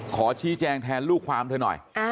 ขอชี้แจงแทนลูกความเธอหน่อย